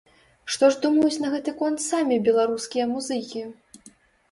Што ж думаюць на гэты конт самі беларускія музыкі?